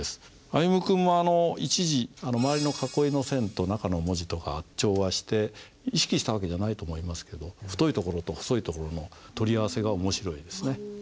歩夢君も１字周りの囲いの線と中の文字とが調和して意識した訳じゃないと思いますけど太いところと細いところの取り合わせが面白いですね。